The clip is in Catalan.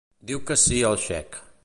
Diu que sí al xec.